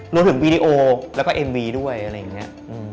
รวมถึงวีดีโอแล้วก็เอ็มวีด้วยอะไรอย่างเงี้ย